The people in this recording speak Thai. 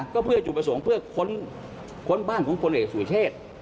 ก็เพื่อจุดประสงค์เพื่อค้นบ้านของพลเอกสุเชษ